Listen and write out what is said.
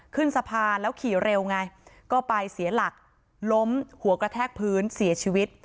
ขึ้นสะพานแล้วขี่เร็วไงก็ไปเสียหลักล้มหัวกระแทกพื้นเสียชีวิต